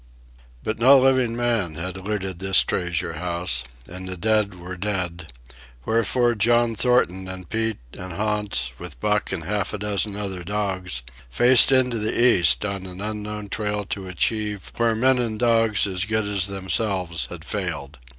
But no living man had looted this treasure house, and the dead were dead; wherefore John Thornton and Pete and Hans, with Buck and half a dozen other dogs, faced into the East on an unknown trail to achieve where men and dogs as good as themselves had failed.